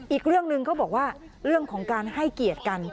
อีกเรื่องหนึ่งเขาบอกว่าเรื่องของการให้เกียรติกัน